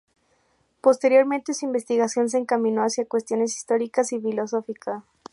Posteriormente su investigación se encaminó hacia cuestiones históricas y filosóficas.